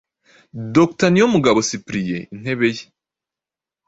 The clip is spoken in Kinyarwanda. Dr Niyomugabo Cyprien, Intebe y